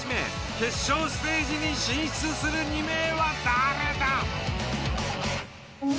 決勝ステージに進出する２名は誰だ！